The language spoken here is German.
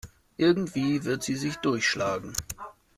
Irgendwie wird sie sich durchschlagen.